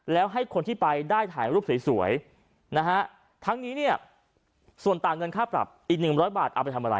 แล้วให้คนที่ไปได้ถ่ายรูปสวยนะฮะทั้งนี้เนี่ยส่วนต่างเงินค่าปรับอีก๑๐๐บาทเอาไปทำอะไร